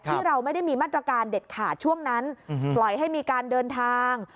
ที่เราไม่ได้มีมาตรการเด็ดขาดช่วงนั้นปล่อยให้มีการเดินทาง